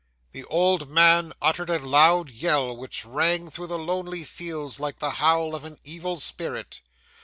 'The old man uttered a loud yell which rang through the lonely fields like the howl of an evil spirit.